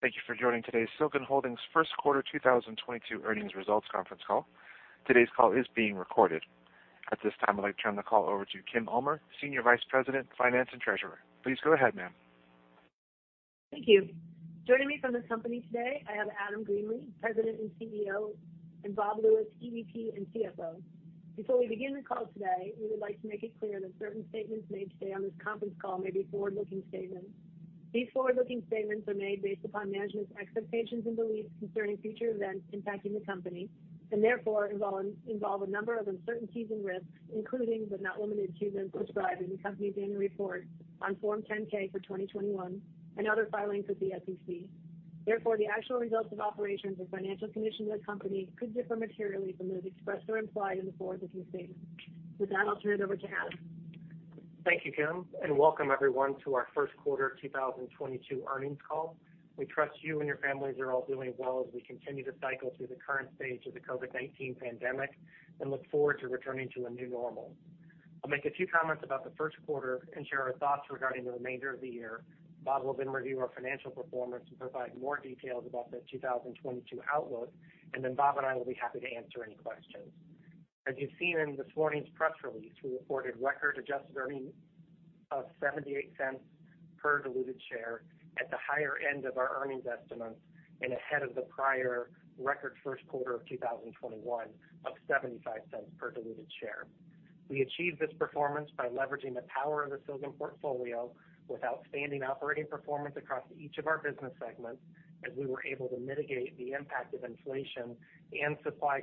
Thank you for joining today's Silgan Holdings first quarter 2022 earnings results conference call. Today's call is being recorded. At this time, I'd like to turn the call over to Kim Ulmer, Senior Vice President, Finance and Treasurer. Please go ahead, ma'am. Thank you. Joining me from the company today, I have Adam Greenlee, President and CEO, and Bob Lewis, EVP and CFO. Before we begin the call today, we would like to make it clear that certain statements made today on this conference call may be forward-looking statements. These forward-looking statements are made based upon management's expectations and beliefs concerning future events impacting the company, and therefore, involve a number of uncertainties and risks, including but not limited to, those described in the company's annual report on Form 10-K for 2021 and other filings with the SEC. Therefore, the actual results of operations or financial condition of the company could differ materially from those expressed or implied in the forward-looking statement. With that, I'll turn it over to Adam. Thank you, Kim, and welcome everyone to our first quarter of 2022 earnings call. We trust you and your families are all doing well as we continue to cycle through the current stage of the COVID-19 pandemic and look forward to returning to a new normal. I'll make a few comments about the first quarter and share our thoughts regarding the remainder of the year. Bob will then review our financial performance and provide more details about the 2022 outlook, and then Bob and I will be happy to answer any questions. As you've seen in this morning's press release, we reported record adjusted earnings of $0.78 per diluted share at the higher end of our earnings estimates and ahead of the prior record first quarter of 2021 of $0.75 per diluted share. We achieved this performance by leveraging the power of the Silgan portfolio with outstanding operating performance across each of our business segments, as we were able to mitigate the impact of inflation and supply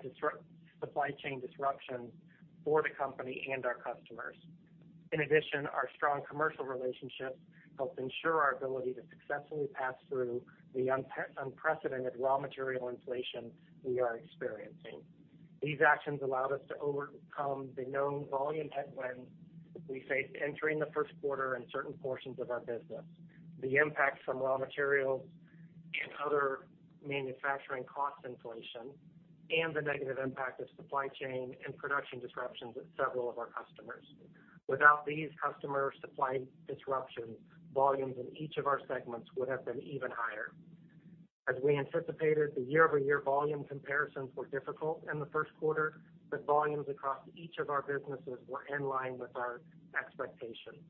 chain disruptions for the company and our customers. In addition, our strong commercial relationships helped ensure our ability to successfully pass through the unprecedented raw material inflation we are experiencing. These actions allowed us to overcome the known volume headwinds we faced entering the first quarter in certain portions of our business, the impact from raw materials and other manufacturing cost inflation, and the negative impact of supply chain and production disruptions at several of our customers. Without these customer supply disruptions, volumes in each of our segments would have been even higher. As we anticipated, the year-over-year volume comparisons were difficult in the first quarter, but volumes across each of our businesses were in line with our expectations.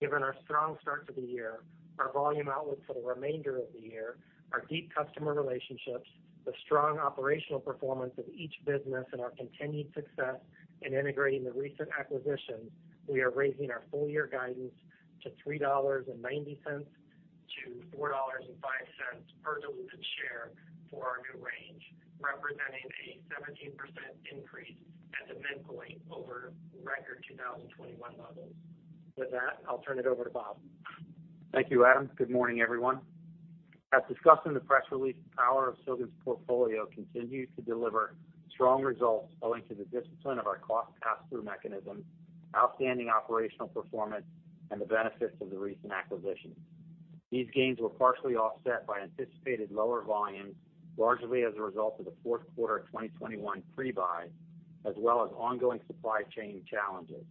Given our strong start to the year, our volume outlook for the remainder of the year, our deep customer relationships, the strong operational performance of each business, and our continued success in integrating the recent acquisitions, we are raising our full year guidance to $3.90-$4.05 per diluted share for our new range, representing a 17% increase at the midpoint over record 2021 levels. With that, I'll turn it over to Bob. Thank you, Adam. Good morning, everyone. As discussed in the press release, the power of Silgan's portfolio continued to deliver strong results owing to the discipline of our cost pass-through mechanism, outstanding operational performance, and the benefits of the recent acquisitions. These gains were partially offset by anticipated lower volumes, largely as a result of the fourth quarter of 2021 pre-buy, as well as ongoing supply chain challenges,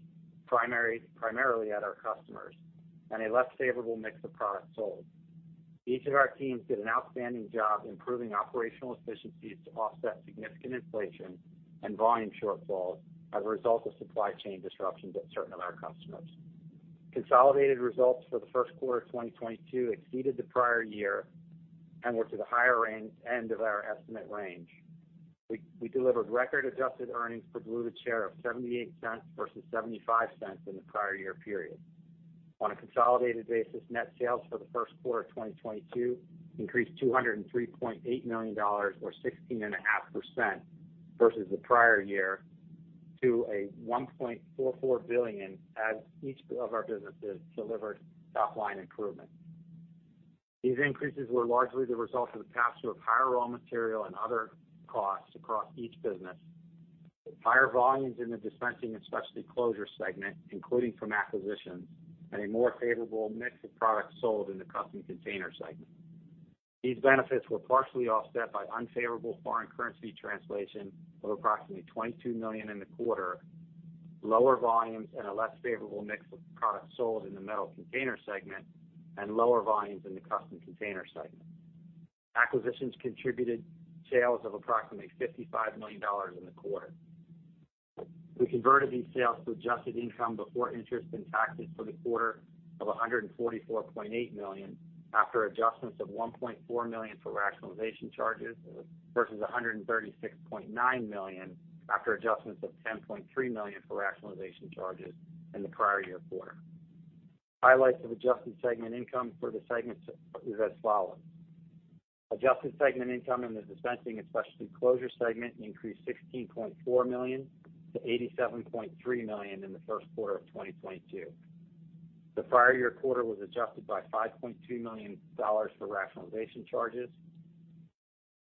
primarily at our customers, and a less favorable mix of products sold. Each of our teams did an outstanding job improving operational efficiencies to offset significant inflation and volume shortfalls as a result of supply chain disruptions at certain of our customers. Consolidated results for the first quarter of 2022 exceeded the prior year and were to the higher end of our estimate range. We delivered record adjusted earnings per diluted share of $0.78 versus $0.75 in the prior year period. On a consolidated basis, net sales for the first quarter of 2022 increased $203.8 million or 16.5% versus the prior year to $1.44 billion, as each of our businesses delivered top line improvement. These increases were largely the result of the pass-through of higher raw material and other costs across each business, higher volumes in the Dispensing and Specialty Closures segment, including from acquisitions, and a more favorable mix of products sold in the Custom Container segment. These benefits were partially offset by unfavorable foreign currency translation of approximately $22 million in the quarter, lower volumes, and a less favorable mix of products sold in the Metal Container segment, and lower volumes in the Custom Container segment. Acquisitions contributed sales of approximately $55 million in the quarter. We converted these sales to adjusted income before interest and taxes for the quarter of $144.8 million after adjustments of $1.4 million for rationalization charges versus $136.9 million after adjustments of $10.3 million for rationalization charges in the prior year quarter. Highlights of adjusted segment income for the segments is as follows. Adjusted segment income in the Dispensing and Specialty Closures segment increased $16.4 million to $87.3 million in the first quarter of 2022. The prior year quarter was adjusted by $5.2 million for rationalization charges.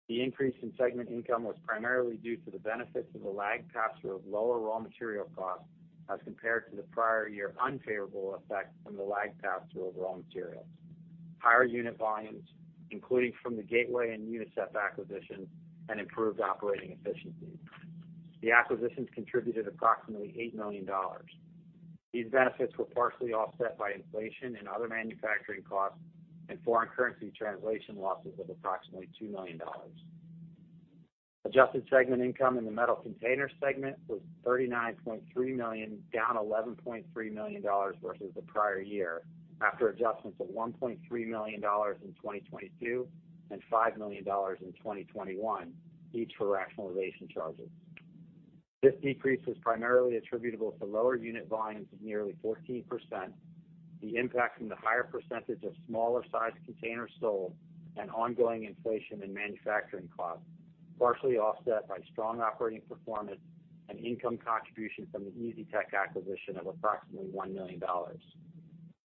The increase in segment income was primarily due to the benefits of the lagged pass-through of lower raw material costs as compared to the prior year unfavorable effect from the lagged pass-through of raw materials, higher unit volumes, including from the Gateway and Unicep acquisitions, and improved operating efficiencies. The acquisitions contributed approximately $8 million. These benefits were partially offset by inflation and other manufacturing costs and foreign currency translation losses of approximately $2 million. Adjusted segment income in the Metal Container segment was $39.3 million, down $11.3 million versus the prior year after adjustments of $1.3 million in 2022 and $5 million in 2021, each for rationalization charges. This decrease is primarily attributable to lower unit volumes of nearly 14%, the impact from the higher percentage of smaller-sized containers sold, and ongoing inflation and manufacturing costs, partially offset by strong operating performance and income contribution from the Easytech acquisition of approximately $1 million.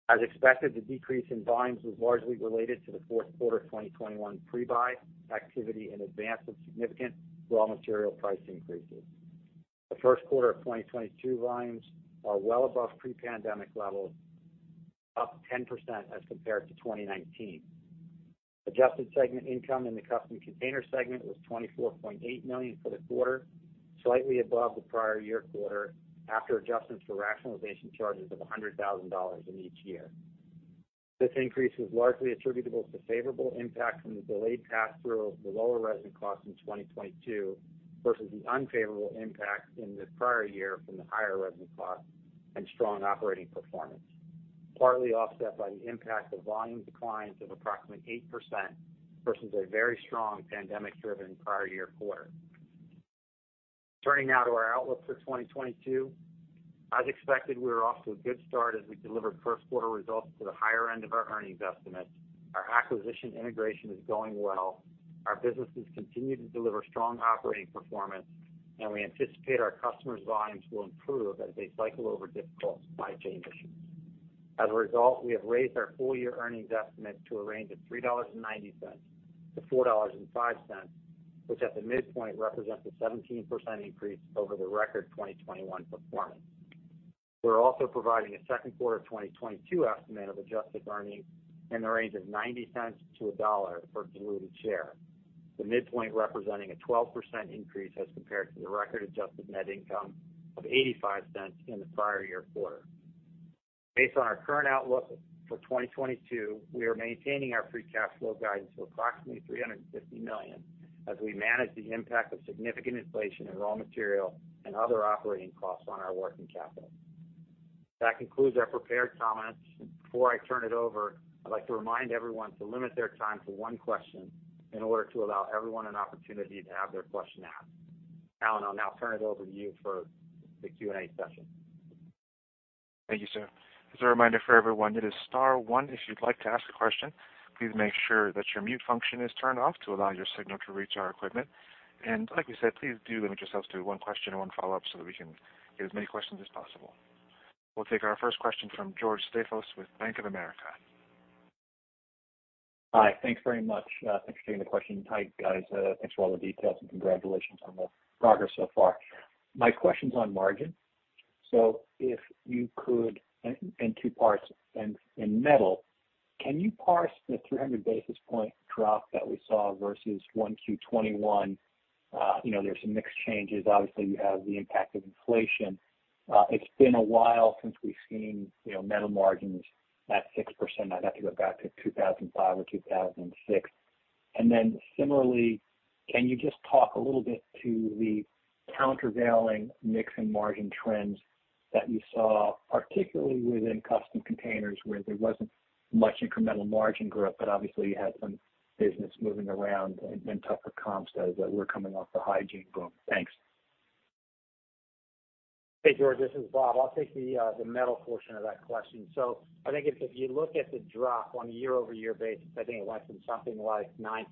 As expected, the decrease in volumes was largely related to the fourth quarter of 2021 pre-buy activity in advance of significant raw material price increases. The first quarter of 2022 volumes are well above pre-pandemic levels, up 10% as compared to 2019. Adjusted segment income in the Custom Container segment was $24.8 million for the quarter, slightly above the prior year quarter after adjustments for rationalization charges of $100,000 in each year. This increase is largely attributable to favorable impact from the delayed pass-through of the lower resin costs in 2022 versus the unfavorable impact in the prior year from the higher resin costs and strong operating performance, partly offset by the impact of volume declines of approximately 8% versus a very strong pandemic-driven prior year quarter. Turning now to our outlook for 2022. As expected, we are off to a good start as we delivered first quarter results to the higher end of our earnings estimates. Our acquisition integration is going well. Our businesses continue to deliver strong operating performance, and we anticipate our customers' volumes will improve as they cycle over difficult supply chain issues. As a result, we have raised our full-year earnings estimate to a range of $3.90-$4.05, which at the midpoint represents a 17% increase over the record 2021 performance. We're also providing a second quarter of 2022 estimate of adjusted earnings in the range of $0.90-$1.00 per diluted share, the midpoint representing a 12% increase as compared to the record adjusted net income of $0.85 in the prior year quarter. Based on our current outlook for 2022, we are maintaining our free cash flow guidance of approximately $350 million as we manage the impact of significant inflation in raw material and other operating costs on our working capital. That concludes our prepared comments. Before I turn it over, I'd like to remind everyone to limit their time to one question in order to allow everyone an opportunity to have their question asked. Alan, I'll now turn it over to you for the Q&A session. Thank you, sir. As a reminder for everyone, it is star one if you'd like to ask a question. Please make sure that your mute function is turned off to allow your signal to reach our equipment. Like we said, please do limit yourselves to one question and one follow-up so that we can get as many questions as possible. We'll take our first question from George Staphos with Bank of America. Hi. Thanks very much. Thanks for taking the question. Hi, guys. Thanks for all the details, and congratulations on the progress so far. My question's on margin. If you could, in metal, can you parse the 300 basis point drop that we saw versus Q1 2021? You know, there's some mix changes. Obviously, you have the impact of inflation. It's been a while since we've seen, you know, metal margins at 6%. I'd have to go back to 2005 or 2006. Similarly, can you just talk a little bit to the countervailing mix and margin trends that you saw, particularly within custom containers, where there wasn't much incremental margin growth, but obviously you had some business moving around and tougher comps as we're coming off the hygiene boom? Thanks. Hey, George. This is Bob. I'll take the metal portion of that question. I think if you look at the drop on a year-over-year basis, I think it was something like 9%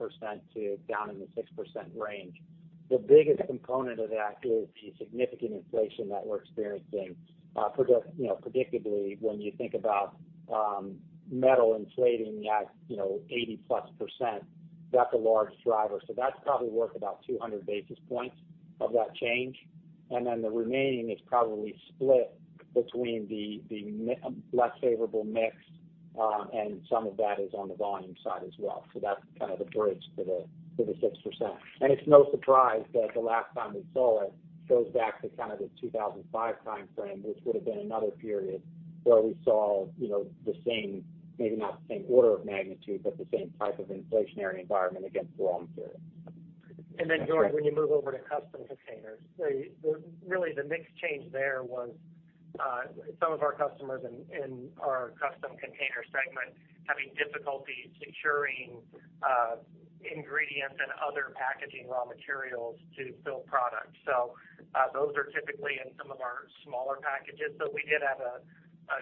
down in the 6% range. The biggest component of that is the significant inflation that we're experiencing. Predictably, when you think about metal inflating at 80%+, that's a large driver. That's probably worth about 200 basis points of that change. Then the remaining is probably split between the less favorable mix, and some of that is on the volume side as well. That's kind of the bridge for the 6%. It's no surprise that the last time we saw it goes back to kind of the 2005 timeframe, which would have been another period where we saw, you know, the same, maybe not the same order of magnitude, but the same type of inflationary environment against raw materials. George, when you move over to Custom Containers, really the mix change there was some of our customers in our Custom Container segment having difficulty securing ingredients and other packaging raw materials to fill products. Those are typically in some of our smaller packages. We did have a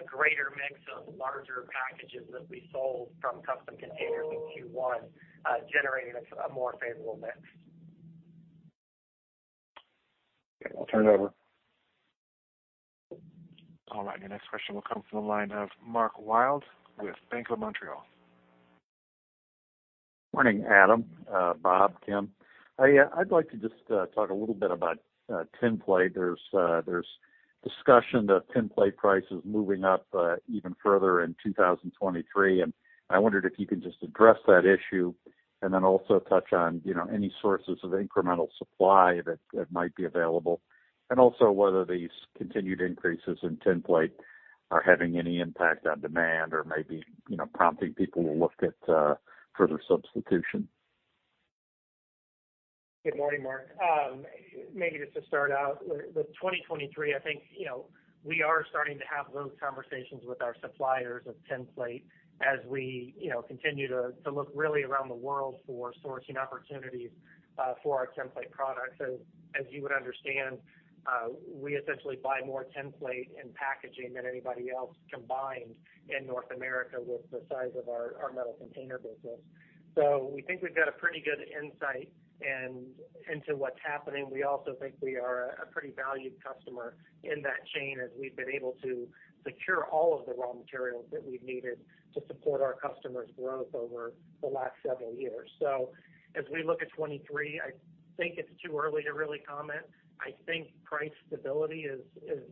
greater mix of larger packages that we sold from Custom Containers in Q1, generating a more favorable mix. Okay. I'll turn it over. All right. The next question will come from the line of Mark Wilde with Bank of Montreal. Morning, Adam, Bob, Kim. I'd like to just talk a little bit about tinplate. There's discussion that tinplate price is moving up even further in 2023, and I wondered if you could just address that issue. Then also touch on, you know, any sources of incremental supply that might be available, and also whether these continued increases in tinplate are having any impact on demand or maybe, you know, prompting people to look at further substitution. Good morning, Mark. Maybe just to start out with 2023, I think, you know, we are starting to have those conversations with our suppliers of tinplate as we, you know, continue to look really around the world for sourcing opportunities, for our tinplate products. As you would understand, we essentially buy more tinplate and packaging than anybody else combined in North America with the size of our metal container business. We think we've got a pretty good insight into what's happening. We also think we are a pretty valued customer in that chain, as we've been able to secure all of the raw materials that we've needed to support our customers' growth over the last several years. As we look at 2023, I think it's too early to really comment. I think price stability is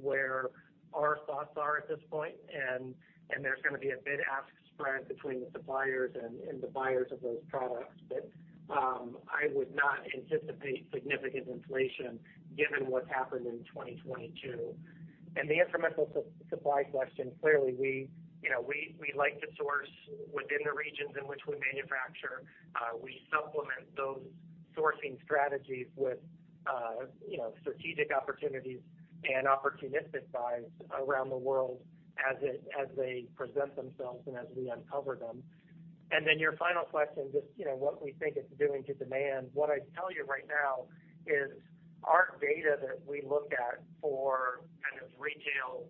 where our thoughts are at this point, and there's gonna be a bid-ask spread between the suppliers and the buyers of those products. I would not anticipate significant inflation given what's happened in 2022. The incremental supply question, clearly, we like to source within the regions in which we manufacture. We supplement those sourcing strategies with strategic opportunities and opportunistic buys around the world as they present themselves and as we uncover them. Then your final question, just, you know, what we think it's doing to demand. What I'd tell you right now is our data that we look at for kind of retail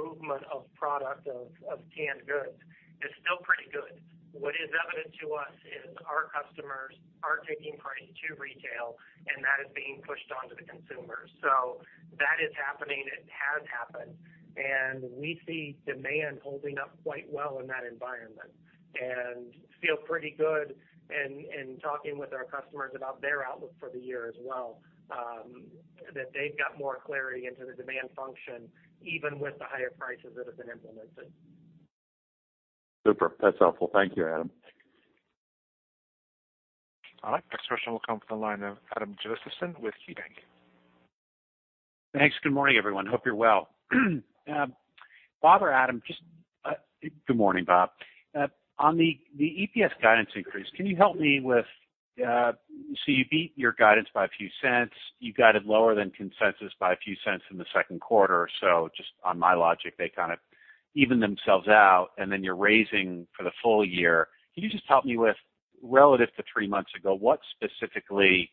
movement of product of canned goods is still pretty good. What is evident to us is our customers are taking price to retail, and that is being pushed on to the consumers. That is happening. It has happened, and we see demand holding up quite well in that environment and feel pretty good in talking with our customers about their outlook for the year as well, that they've got more clarity into the demand function, even with the higher prices that have been implemented. Super. That's helpful. Thank you, Adam. All right, next question will come from the line of Adam Josephson with KeyBanc. Thanks. Good morning, everyone. Hope you're well. Bob or Adam, just Good morning, Bob. On the EPS guidance increase, can you help me with so you beat your guidance by a few cents. You got it lower than consensus by a few cents in the second quarter. Just on my logic, they kind of even themselves out, and then you're raising for the full year. Can you just help me with relative to three months ago, what specifically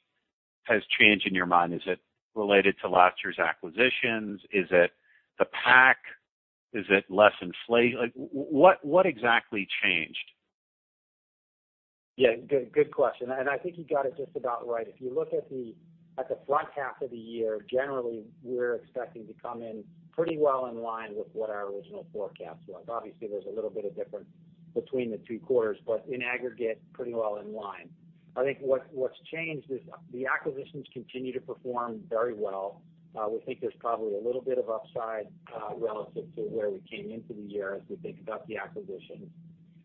has changed in your mind? Is it related to last year's acquisitions? Is it the pack? Is it less inflation? Like what exactly changed? Yeah. Good question, and I think you got it just about right. If you look at the front half of the year, generally, we're expecting to come in pretty well in line with what our original forecast was. Obviously, there's a little bit of difference between the two quarters, but in aggregate, pretty well in line. I think what's changed is the acquisitions continue to perform very well. We think there's probably a little bit of upside relative to where we came into the year as we think about the acquisitions.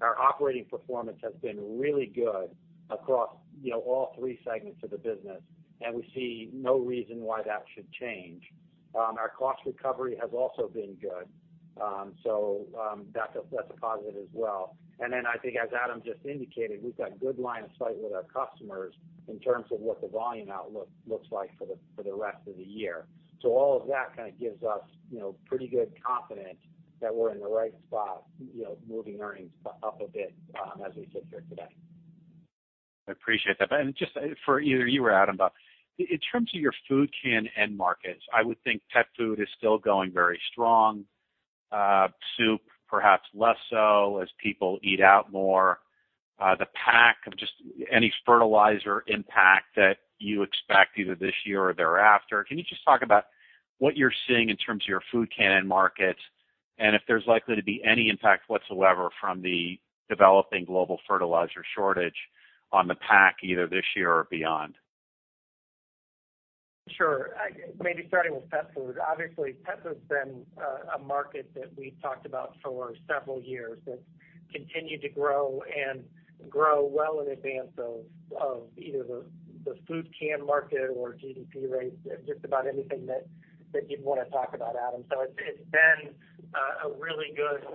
Our operating performance has been really good across you know all three segments of the business, and we see no reason why that should change. Our cost recovery has also been good. So that's a positive as well. I think as Adam just indicated, we've got good line of sight with our customers in terms of what the volume outlook looks like for the rest of the year. All of that kind of gives us, you know, pretty good confidence that we're in the right spot, you know, moving earnings up a bit, as we sit here today. I appreciate that. Just for either you or Adam, but in terms of your food can end markets, I would think pet food is still going very strong, soup perhaps less so as people eat out more. The impact of just any fertilizer impact that you expect either this year or thereafter, can you just talk about what you're seeing in terms of your food can end markets, and if there's likely to be any impact whatsoever from the developing global fertilizer shortage on the pack either this year or beyond? Sure. Maybe starting with pet food. Obviously, pet food's been a market that we've talked about for several years that's continued to grow and grow well in advance of either the food can market or GDP rates, just about anything that you'd wanna talk about, Adam. It's been a really good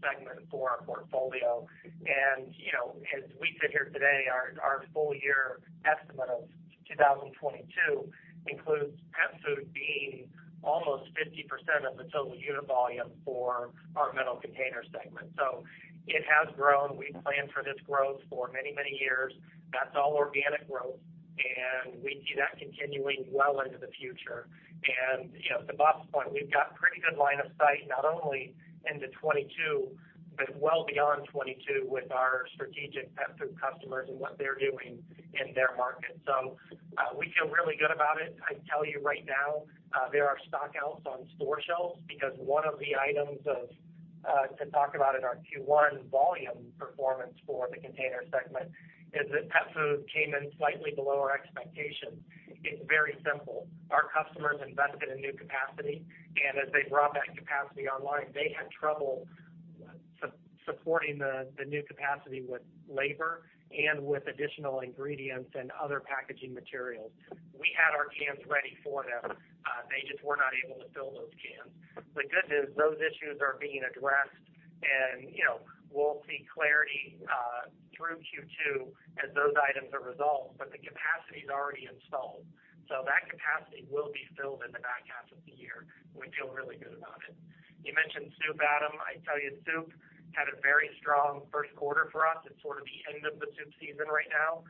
segment for our portfolio. You know, as we sit here today, our full year estimate of 2022 includes pet food being almost 50% of the total unit volume for our Metal Container segment. It has grown. We planned for this growth for many, many years. That's all organic growth, and we see that continuing well into the future. You know, to Bob's point, we've got pretty good line of sight, not only into 2022, but well beyond 2022 with our strategic pet food customers and what they're doing in their market. We feel really good about it. I can tell you right now, there are stockouts on store shelves because one of the items to talk about in our Q1 volume performance for the container segment is that pet food came in slightly below our expectations. It's very simple. Our customers invested in new capacity, and as they brought that capacity online, they had trouble supporting the new capacity with labor and with additional ingredients and other packaging materials. We had our cans ready for them, they just were not able to fill those cans. The good news, those issues are being addressed and, you know, we'll see clarity through Q2 as those items are resolved. The capacity is already installed. That capacity will be filled in the back half of the year. We feel really good about it. You mentioned soup, Adam. I tell you, soup had a very strong first quarter for us. It's sort of the end of the soup season right now.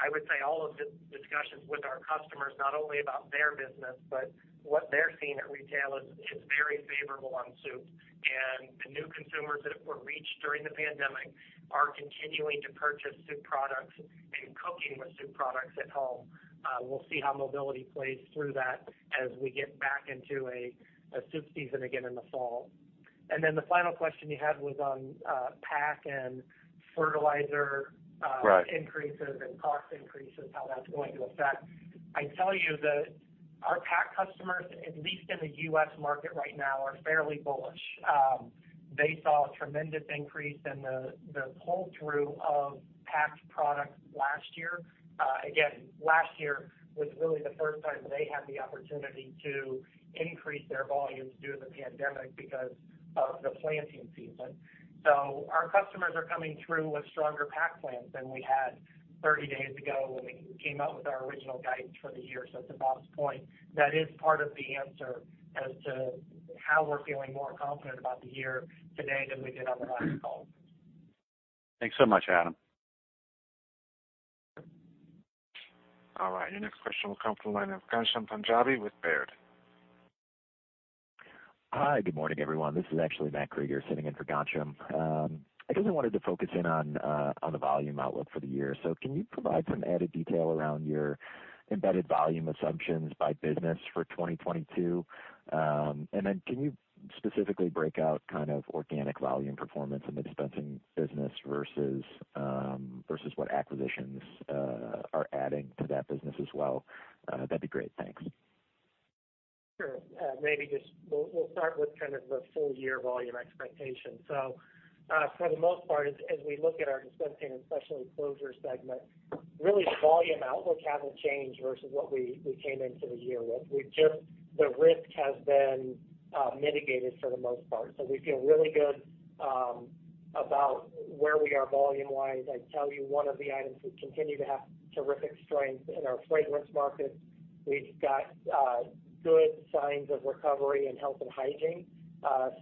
I would say all of the discussions with our customers, not only about their business, but what they're seeing at retail is very favorable on soup. The new consumers that were reached during the pandemic are continuing to purchase soup products and cooking with soup products at home. We'll see how mobility plays through that as we get back into a soup season again in the fall. The final question you had was on packaging and fertilizer. Right Increases and cost increases, how that's going to affect. I'd tell you that our pack customers, at least in the U.S. market right now, are fairly bullish. They saw a tremendous increase in the pull-through of packed products last year. Again, last year was really the first time they had the opportunity to increase their volumes due to the pandemic because of the planting season. Our customers are coming through with stronger pack plans than we had 30 days ago when we came out with our original guidance for the year. To Bob's point, that is part of the answer as to how we're feeling more confident about the year today than we did on the last call. Thanks so much, Adam. All right, your next question will come from the line of Ghansham Panjabi with Baird. Hi, good morning, everyone. This is actually Matt Krueger sitting in for Ghansham. I guess I wanted to focus in on the volume outlook for the year. Can you provide some added detail around your embedded volume assumptions by business for 2022? Can you specifically break out kind of organic volume performance in the dispensing business versus what acquisitions are adding to that business as well? That'd be great. Thanks. Sure. Maybe just we'll start with kind of the full year volume expectation. For the most part, as we look at our Dispensing and Specialty Closures segment, really the volume outlook hasn't changed versus what we came into the year with. The risk has been mitigated for the most part. We feel really good about where we are volume-wise. I'd tell you one of the items we continue to have terrific strength in our fragrance market. We've got good signs of recovery in health and hygiene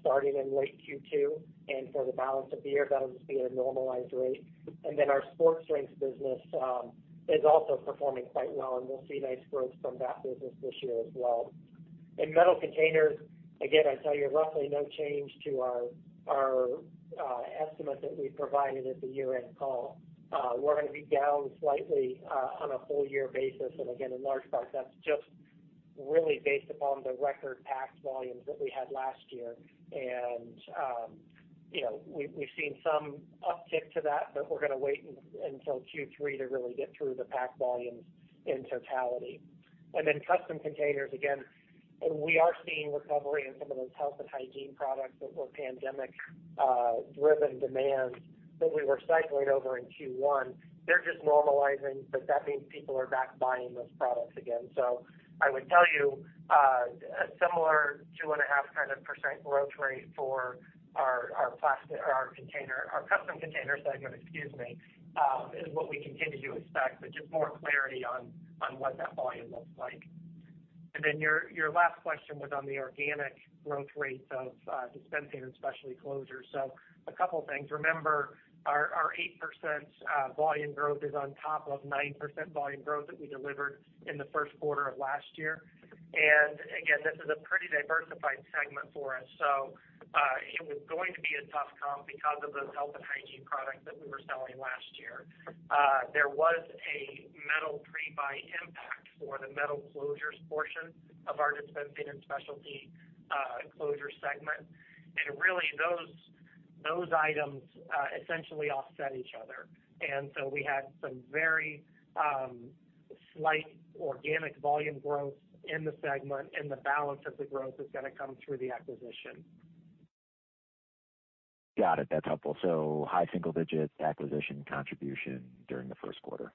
starting in late Q2. For the balance of the year, that'll just be a normalized rate. Our sports drinks business is also performing quite well, and we'll see nice growth from that business this year as well. In Metal Container, again, I'd tell you roughly no change to our estimate that we provided at the year-end call. We're gonna be down slightly on a full year basis. Again, in large part, that's just really based upon the record pack volumes that we had last year. We've seen some uptick to that, but we're gonna wait until Q3 to really get through the pack volumes in totality. Then Custom Container, again, we are seeing recovery in some of those health and hygiene products that were pandemic driven demands that we were cycling over in Q1. They're just normalizing, but that means people are back buying those products again. I would tell you a similar 2.5% kind of growth rate for our custom container segment, excuse me, is what we continue to expect, but just more clarity on what that volume looks like. Your last question was on the organic growth rates of dispensing and specialty closures. A couple things. Remember, our 8% volume growth is on top of 9% volume growth that we delivered in the first quarter of last year. This is a pretty diversified segment for us. It was going to be a tough comp because of those health and hygiene products that we were selling last year. There was a metal pre-buy impact for the metal closures portion of our Dispensing and Specialty Closures segment. Really those items essentially offset each other. We had some very slight organic volume growth in the segment, and the balance of the growth is gonna come through the acquisition. Got it. That's helpful. High single digits acquisition contribution during the first quarter.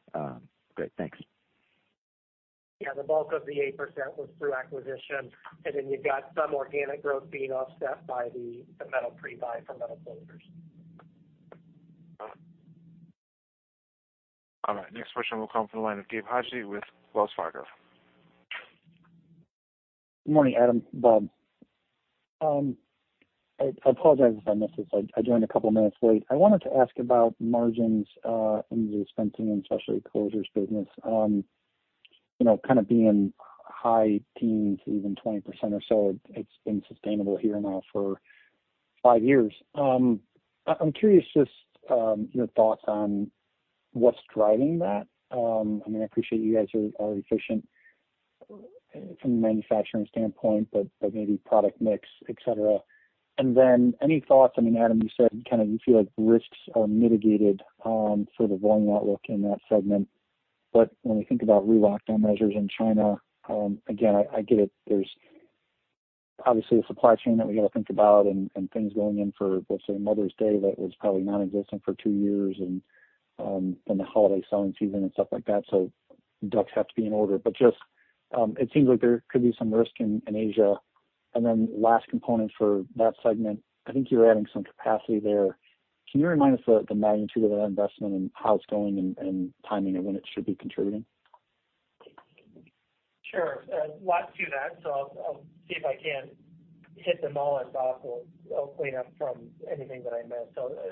Great. Thanks. Yeah, the bulk of the 8% was through acquisition, and then you've got some organic growth being offset by the metal pre-buy for metal closures. All right, next question will come from the line of Gabe Hajde with Wells Fargo. Good morning, Adam, Bob. I apologize if I missed this. I joined a couple minutes late. I wanted to ask about margins in the Dispensing and Specialty Closures business. You know, kind of being high teens, even 20% or so, it's been sustainable here now for five years. I'm curious just your thoughts on what's driving that. I mean, I appreciate you guys are efficient from a manufacturing standpoint, but maybe product mix, et cetera. Any thoughts, I mean, Adam, you said kind of you feel like the risks are mitigated for the volume outlook in that segment. When we think about re-lockdown measures in China, again, I get it. There's obviously a supply chain that we gotta think about and things going in for, let's say, Mother's Day that was probably nonexistent for two years and then the holiday selling season and stuff like that. Ducks have to be in order. It seems like there could be some risk in Asia. Last component for that segment, I think you're adding some capacity there. Can you remind us the magnitude of that investment and how it's going and timing of when it should be contributing? Sure. Lots to that. I'll see if I can hit them all. Bob will clean up from anything that I miss.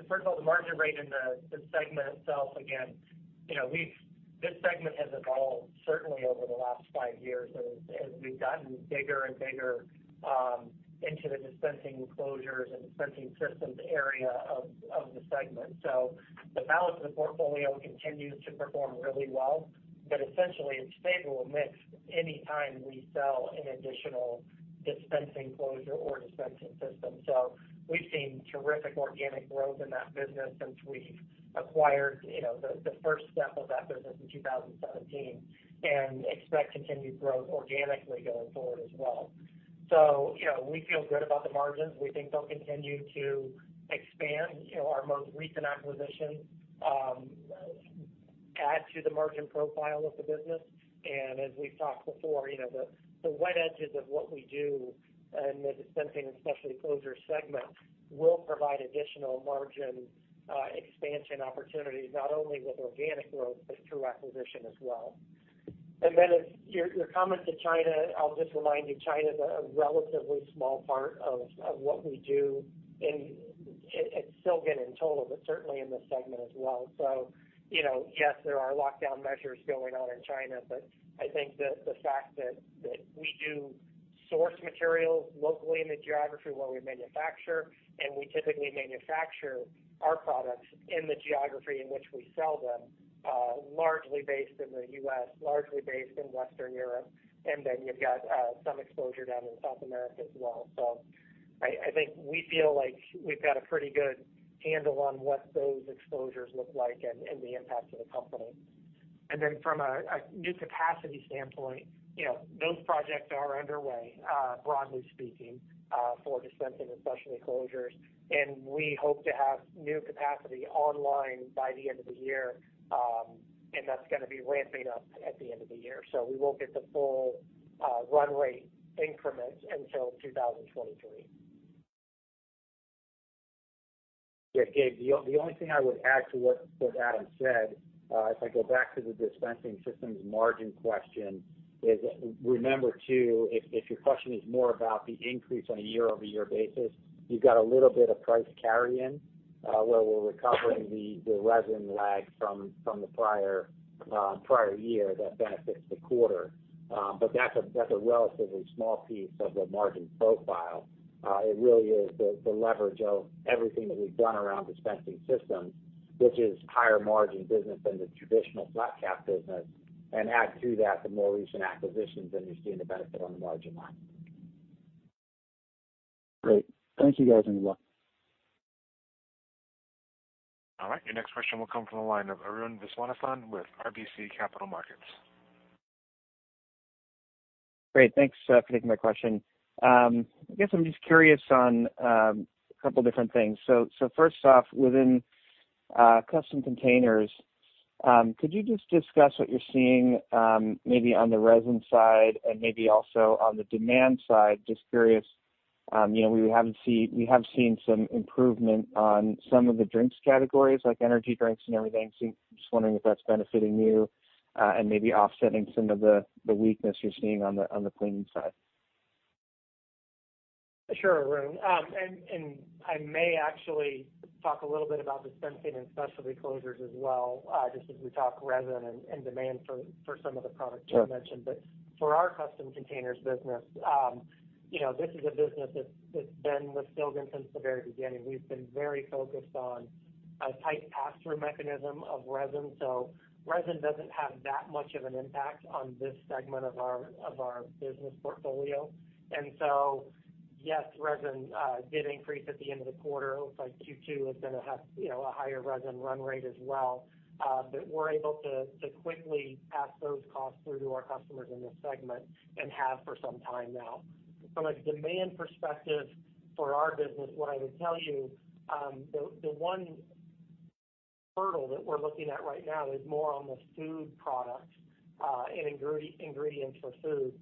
First of all, the margin rate in this segment itself, again, you know, this segment has evolved certainly over the last five years as we've gotten bigger and bigger into the dispensing closures and dispensing systems area of the segment. The balance of the portfolio continues to perform really well, but essentially it's favorable mix any time we sell an additional dispensing closure or dispensing system. We've seen terrific organic growth in that business since we've acquired the first step of that business in 2017, and expect continued growth organically going forward as well. You know, we feel good about the margins. We think they'll continue to expand. You know, our most recent acquisition add to the margin profile of the business. As we've talked before, you know, the white space of what we do in the Dispensing and Specialty Closures segment will provide additional margin expansion opportunities, not only with organic growth but through acquisition as well. Then as your comment to China, I'll just remind you, China is a relatively small part of what we do at Silgan in total, but certainly in this segment as well. You know, yes, there are lockdown measures going on in China. I think the fact that we do source materials locally in the geography where we manufacture, and we typically manufacture our products in the geography in which we sell them, largely based in the U.S., largely based in Western Europe, and then you've got some exposure down in South America as well. I think we feel like we've got a pretty good handle on what those exposures look like and the impact to the company. From a new capacity standpoint, you know, those projects are underway, broadly speaking, for Dispensing and Specialty Closures. We hope to have new capacity online by the end of the year, and that's gonna be ramping up at the end of the year. We won't get the full runway increments until 2023. Yeah, Gabe, the only thing I would add to what Adam said, if I go back to the dispensing systems margin question is remember, too, if your question is more about the increase on a year-over-year basis, you've got a little bit of price carry-in, where we're recovering the resin lag from the prior year that benefits the quarter. But that's a relatively small piece of the margin profile. It really is the leverage of everything that we've done around dispensing systems, which is higher margin business than the traditional flat cap business. Add to that the more recent acquisitions, and you're seeing the benefit on the margin line. Great. Thank you guys and goodbye. All right, your next question will come from the line of Arun Viswanathan with RBC Capital Markets. Great. Thanks for taking my question. I guess I'm just curious on a couple different things. First off, within custom containers, could you just discuss what you're seeing, maybe on the resin side and maybe also on the demand side? Just curious, you know, we have seen some improvement on some of the drinks categories like energy drinks and everything. Just wondering if that's benefiting you, and maybe offsetting some of the weakness you're seeing on the cleaning side. Sure, Arun. I may actually talk a little bit about Dispensing and Specialty Closures as well, just as we talk resin and demand for some of the products you mentioned. Sure. For our Custom Containers business, you know, this is a business that's been with Silgan since the very beginning. We've been very focused on a tight pass-through mechanism of resin. Resin doesn't have that much of an impact on this segment of our business portfolio. Yes, resin did increase at the end of the quarter. It looks like Q2 is gonna have, you know, a higher resin run rate as well. We're able to quickly pass those costs through to our customers in this segment and have for some time now. From a demand perspective for our business, what I would tell you, the one hurdle that we're looking at right now is more on the food products and ingredients for food.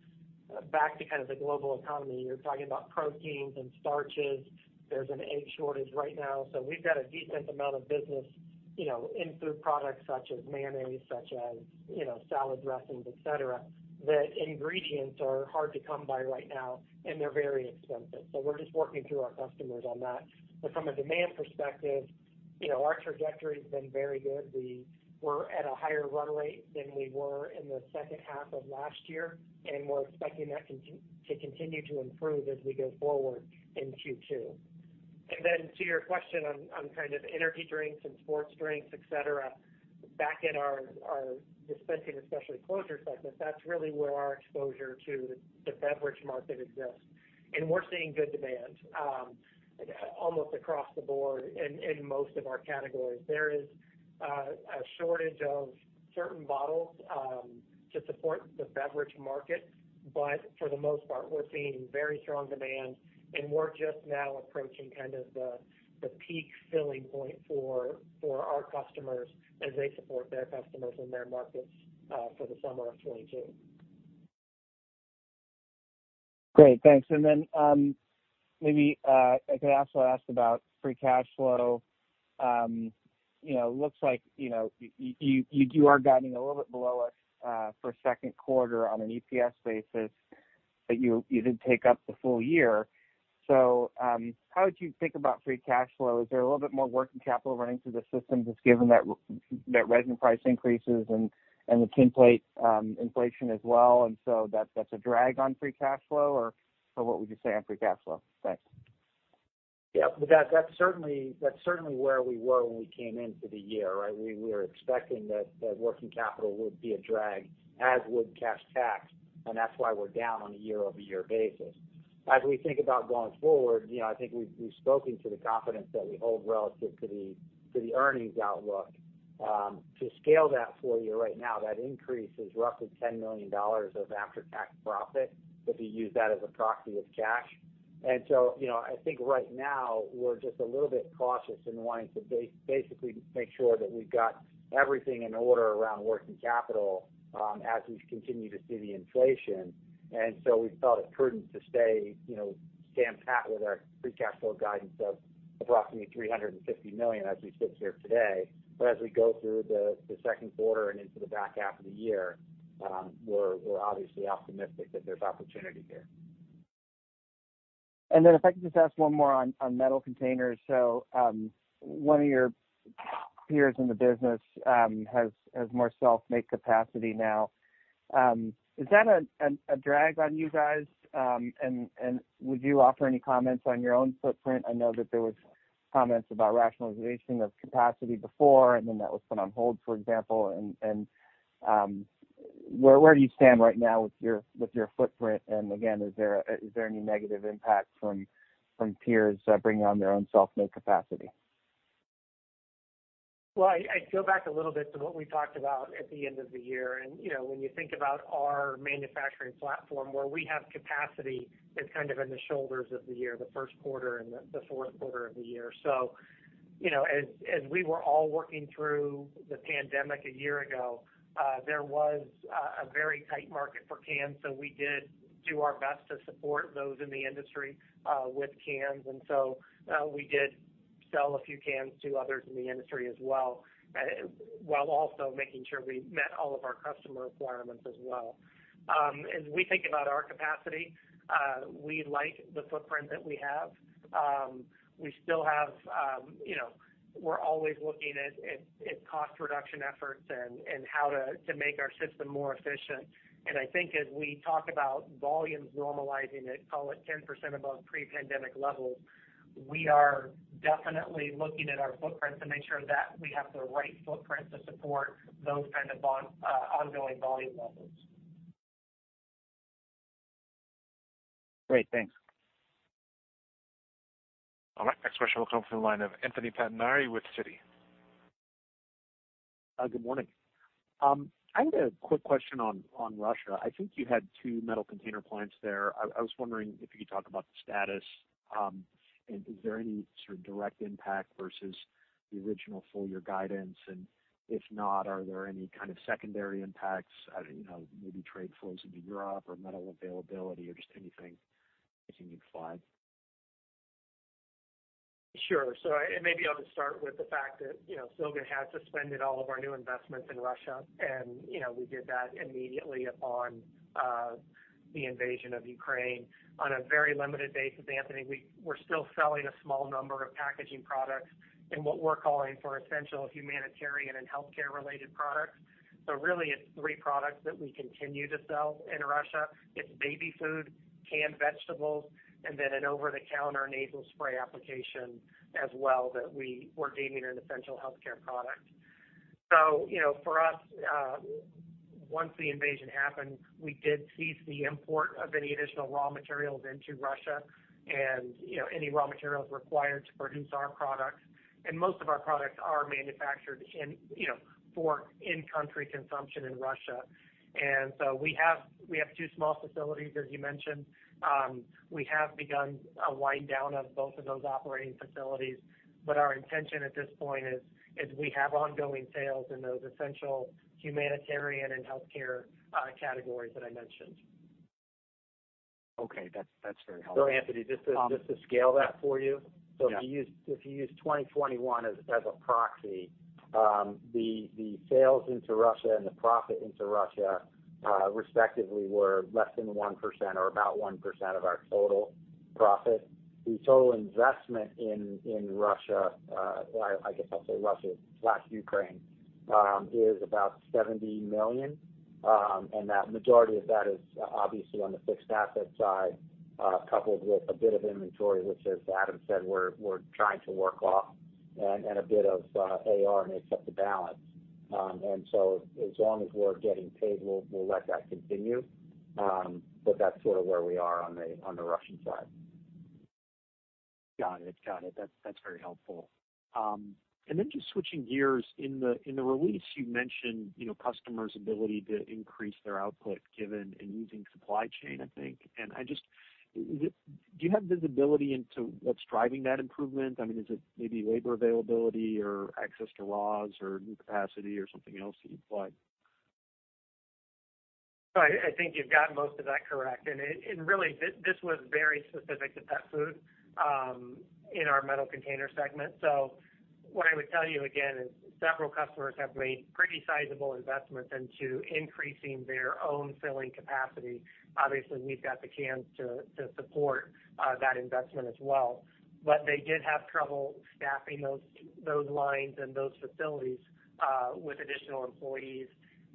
Back to kind of the global economy, you're talking about proteins and starches. There's an egg shortage right now. We've got a decent amount of business, you know, in food products such as mayonnaise, you know, salad dressings, et cetera, that ingredients are hard to come by right now, and they're very expensive. We're just working through our customers on that. From a demand perspective, you know, our trajectory has been very good. We're at a higher run rate than we were in the second half of last year, and we're expecting that to continue to improve as we go forward in Q2. To your question on kind of energy drinks and sports drinks, et cetera, back in our Dispensing and Specialty Closures segment, that's really where our exposure to the beverage market exists. We're seeing good demand almost across the board in most of our categories. There is a shortage of certain bottles to support the beverage market. For the most part, we're seeing very strong demand, and we're just now approaching kind of the peak filling point for our customers as they support their customers in their markets, for the summer of 2022. Great. Thanks. Then, maybe, I could also ask about free cash flow. You know, looks like, you know, you are guiding a little bit below us for second quarter on an EPS basis, but you did take up the full year. How would you think about free cash flow? Is there a little bit more working capital running through the systems just given that resin price increases and the tinplate inflation as well, and so that's a drag on free cash flow? Or, what would you say on free cash flow? Thanks. Yeah. That's certainly where we were when we came into the year, right? We were expecting that working capital would be a drag, as would cash tax, and that's why we're down on a year-over-year basis. As we think about going forward, you know, I think we've spoken to the confidence that we hold relative to the earnings outlook. To scale that for you right now, that increase is roughly $10 million of after-tax profit, if you use that as a proxy with cash. You know, I think right now we're just a little bit cautious in wanting to basically make sure that we've got everything in order around working capital, as we continue to see the inflation. We felt it prudent to stay, you know, stagnant at with our free cash flow guidance of approximately $350 million as we sit here today. As we go through the second quarter and into the back half of the year, we're obviously optimistic that there's opportunity here. Then if I could just ask one more on metal containers. So, one of your peers in the business has more self-made capacity now. Is that a drag on you guys? And would you offer any comments on your own footprint? I know that there was comments about rationalization of capacity before, and then that was put on hold, for example. And where do you stand right now with your footprint? And again, is there any negative impact from peers bringing on their own self-made capacity? Well, I go back a little bit to what we talked about at the end of the year. You know, when you think about our manufacturing platform where we have capacity, it's kind of in the shoulders of the year, the first quarter and the fourth quarter of the year. You know, as we were all working through the pandemic a year ago, there was a very tight market for cans, so we did do our best to support those in the industry with cans. We did sell a few cans to others in the industry as well, while also making sure we met all of our customer requirements as well. As we think about our capacity, we like the footprint that we have. We still have, you know, we're always looking at cost reduction efforts and how to make our system more efficient. I think as we talk about volumes normalizing at call it 10% above pre-pandemic levels, we are definitely looking at our footprint to make sure that we have the right footprint to support those kind of ongoing volume levels. Great. Thanks. All right. Next question will come from the line of Anthony Pettinari with Citi. Good morning. I had a quick question on Russia. I was wondering if you could talk about the status. Is there any sort of direct impact versus the original full year guidance? If not, are there any kind of secondary impacts, you know, maybe trade flows into Europe or metal availability or just anything you can provide? Sure. Maybe I'll just start with the fact that, you know, Silgan has suspended all of our new investments in Russia. You know, we did that immediately upon the invasion of Ukraine. On a very limited basis, Anthony, we're still selling a small number of packaging products in what we're calling essential humanitarian and healthcare-related products. Really it's three products that we continue to sell in Russia. It's baby food, canned vegetables, and then an over-the-counter nasal spray application as well that we're deeming an essential healthcare product. You know, for us, once the invasion happened, we did cease the import of any additional raw materials into Russia and, you know, any raw materials required to produce our products. Most of our products are manufactured in, you know, for in-country consumption in Russia. We have two small facilities, as you mentioned. We have begun a wind down of both of those operating facilities, but our intention at this point is we have ongoing sales in those essential humanitarian and healthcare categories that I mentioned. Okay. That's very helpful. Anthony, just to scale that for you. Yeah. If you use 2021 as a proxy, the sales into Russia and the profit into Russia, respectively, were less than 1% or about 1% of our total profit. The total investment in Russia, well, I guess I'll say Russia/Ukraine, is about $70 million. The majority of that is obviously on the fixed asset side, coupled with a bit of inventory, which as Adam said, we're trying to work off and a bit of AR makes up the balance. As long as we're getting paid, we'll let that continue. That's sort of where we are on the Russian side. Got it. That's very helpful. Then just switching gears. In the release you mentioned, you know, customers' ability to increase their output given an easing supply chain, I think. Do you have visibility into what's driving that improvement? I mean, is it maybe labor availability or access to laws or new capacity or something else that you'd flag? I think you've got most of that correct. Really, this was very specific to pet food in our Metal Container segment. What I would tell you again is several customers have made pretty sizable investments into increasing their own filling capacity. Obviously, we've got the cans to support that investment as well. But they did have trouble staffing those lines and those facilities with additional employees.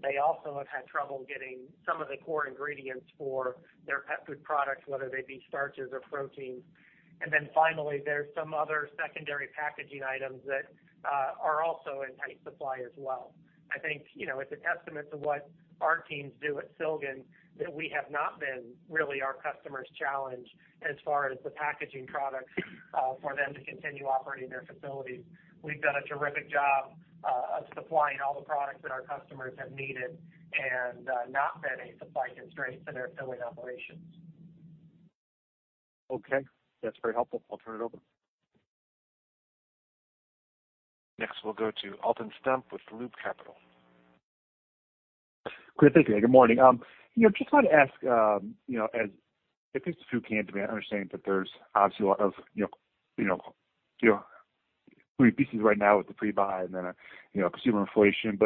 They also have had trouble getting some of the core ingredients for their pet food products, whether they be starches or proteins. Finally, there's some other secondary packaging items that are also in tight supply as well. I think, you know, it's a testament to what our teams do at Silgan that we have not been really our customers' challenge as far as the packaging products for them to continue operating their facilities. We've done a terrific job of supplying all the products that our customers have needed and not been a supply constraint to their filling operations. Okay. That's very helpful. I'll turn it over. Next, we'll go to Alton Stump with Loop Capital. Great, thank you. Good morning. You know, just wanted to ask, you know, as it relates to food can demand, I understand that there's obviously a lot of, you know, moving pieces right now with the pre-buy and then, you know, consumer inflation.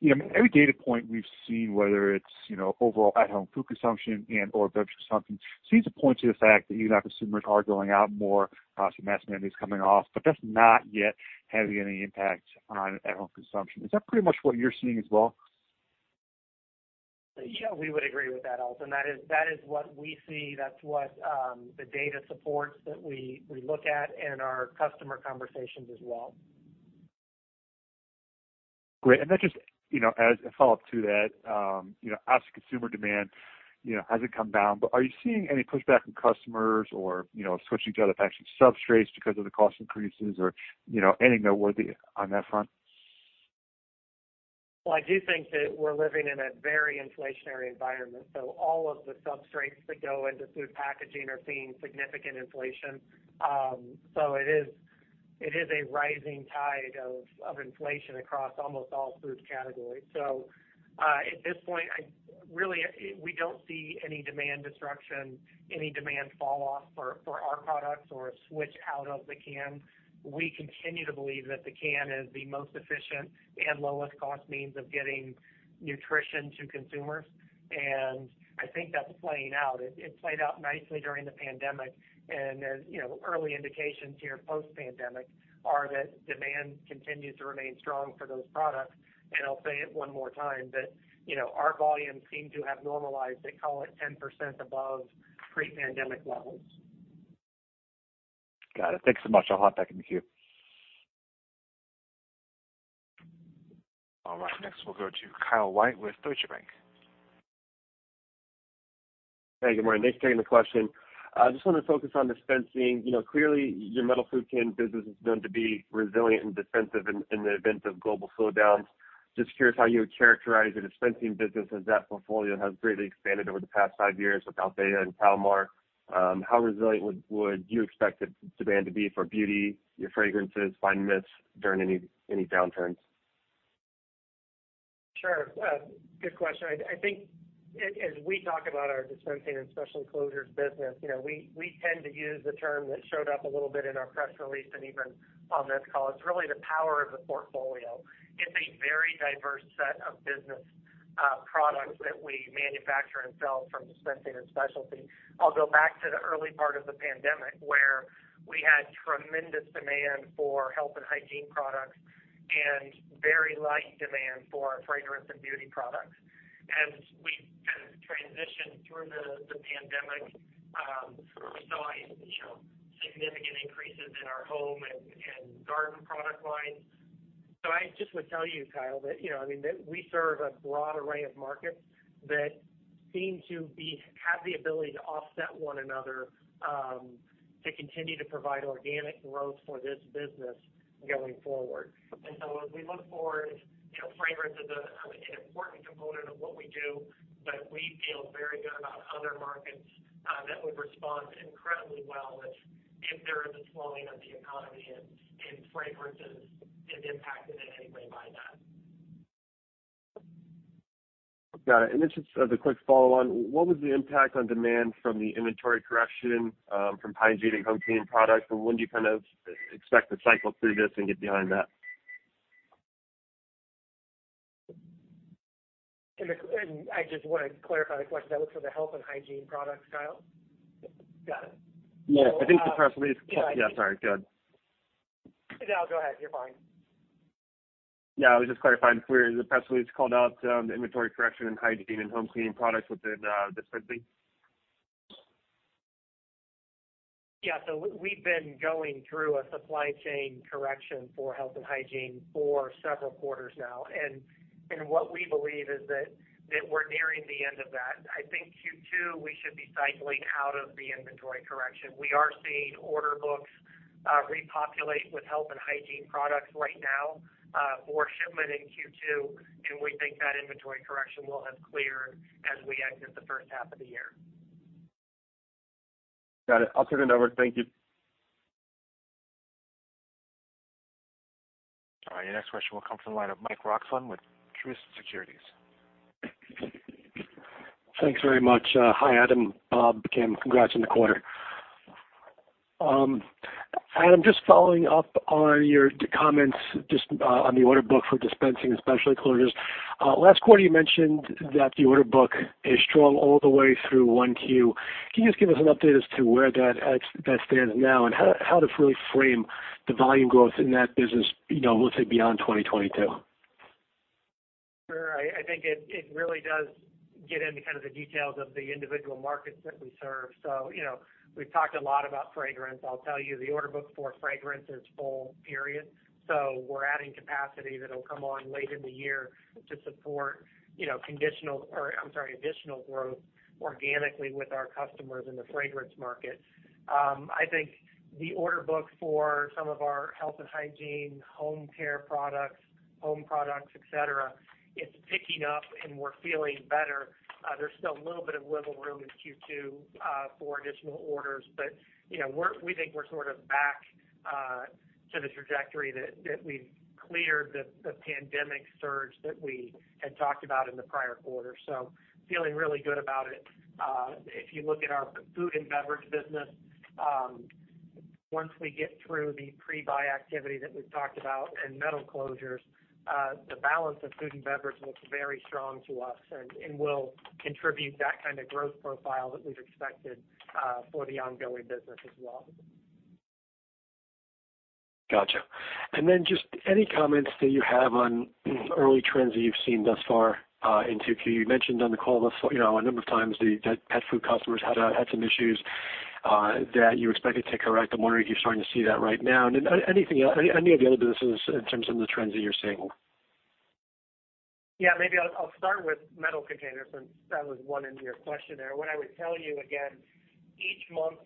You know, every data point we've seen, whether it's, you know, overall at-home food consumption and/or beverage consumption, seems to point to the fact that, you know, consumers are going out more, some mask mandates coming off, but that's not yet having any impact on at-home consumption. Is that pretty much what you're seeing as well? Yeah, we would agree with that, Alton. That is what we see. That's what the data supports, that we look at, and our customer conversations as well. Great. Just, you know, as a follow-up to that, you know, obviously consumer demand, you know, hasn't come down, but are you seeing any pushback from customers or, you know, switching to other packaging substrates because of the cost increases or, you know, anything noteworthy on that front? Well, I do think that we're living in a very inflationary environment, so all of the substrates that go into food packaging are seeing significant inflation. It is a rising tide of inflation across almost all food categories. At this point, we don't see any demand destruction, any demand falloff for our products or a switch out of the can. We continue to believe that the can is the most efficient and lowest cost means of getting nutrition to consumers, and I think that's playing out. It played out nicely during the pandemic. As you know, early indications here post-pandemic are that demand continues to remain strong for those products. I'll say it one more time that, you know, our volumes seem to have normalized at call it 10% above pre-pandemic levels. Got it. Thanks so much. I'll hop back in the queue. All right, next we'll go to Kyle White with Deutsche Bank. Hey, good morning. Thanks for taking the question. I just wanna focus on dispensing. You know, clearly your metal food can business is known to be resilient and defensive in the event of global slowdowns. Just curious how you would characterize your dispensing business as that portfolio has greatly expanded over the past five years with Albéa and [Palmar]. How resilient would you expect demand to be for beauty, your fragrances, fine mist during any downturns? Sure. Good question. I think as we talk about our Dispensing and Specialty Closures business, you know, we tend to use the term that showed up a little bit in our press release and even on this call. It's really the power of the portfolio. It's a very diverse set of business, products that we manufacture and sell from dispensing and specialty. I'll go back to the early part of the pandemic, where we had tremendous demand for health and hygiene products and very light demand for fragrance and beauty products. As we kind of transitioned through the pandemic, we saw, you know, significant increases in our home and garden product lines. I just would tell you, Kyle, that, you know, I mean, that we serve a broad array of markets that seem to have the ability to offset one another, to continue to provide organic growth for this business going forward. As we look forward, you know, fragrance is a, I mean, an important component of what we do, but we feel very good about other markets, that would respond incredibly well if there is a slowing of the economy and fragrances is impacted in any way by that. Got it. Just as a quick follow-on, what was the impact on demand from the inventory correction from hygiene and home cleaning products? When do you kind of expect to cycle through this and get behind that? I just wanna clarify the question. That was for the health and hygiene products, Kyle? Got it. Yeah, I think the press release. Yeah. Yeah, sorry. Go ahead. No, go ahead. You're fine. No, I was just clarifying. Clearly, the press release called out the inventory correction in hygiene and home cleaning products within dispensing. We've been going through a supply chain correction for health and hygiene for several quarters now. What we believe is that we're nearing the end of that. I think Q2, we should be cycling out of the inventory correction. We are seeing order books repopulate with health and hygiene products right now for shipment in Q2. We think that inventory correction will have cleared as we exit the first half of the year. Got it. I'll turn it over. Thank you. All right, your next question will come from the line of Mike Roxland with Truist Securities. Thanks very much. Hi, Adam, Bob, Kim. Congrats on the quarter. Adam, just following up on your comments just on the order book for dispensing and specialty closures. Last quarter, you mentioned that the order book is strong all the way through Q1. Can you just give us an update as to where that stands now and how to really frame the volume growth in that business, you know, let's say beyond 2022? Sure. I think it really does get into kind of the details of the individual markets that we serve. You know, we've talked a lot about fragrance. I'll tell you, the order book for fragrance is full. We're adding capacity that'll come on late in the year to support, you know, additional growth organically with our customers in the fragrance market. I think the order book for some of our health and hygiene, home care products, home products, et cetera, it's picking up, and we're feeling better. There's still a little bit of wiggle room in Q2 for additional orders. You know, we think we're sort of back to the trajectory that we've cleared the pandemic surge that we had talked about in the prior quarter. Feeling really good about it. If you look at our food and beverage business, once we get through the pre-buy activity that we've talked about in metal closures, the balance of food and beverage looks very strong to us and will contribute that kind of growth profile that we've expected for the ongoing business as well. Gotcha. Then just any comments that you have on early trends that you've seen thus far in 2Q. You mentioned on the call, you know, a number of times that pet food customers had some issues that you expect to take corrective. I'm wondering if you're starting to see that right now. Anything else, any of the other businesses in terms of the trends that you're seeing? Yeah, maybe I'll start with metal containers since that was one in your question there. What I would tell you, again, each month,